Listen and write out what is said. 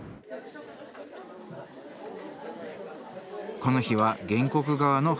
この日は原告側の敗訴。